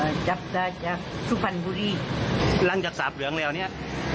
เอ่อจับได้จากสุฟันบุรีล่างจากสาปเหลืองแล้วเนี้ย